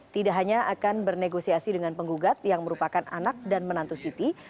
tidak hanya akan bernegosiasi dengan penggugat yang merupakan anak dan menantu siti